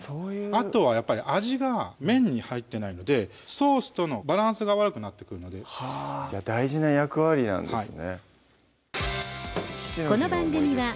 あとはやっぱり味が麺に入ってないのでソースとのバランスが悪くなってくるので大事な役割なんですね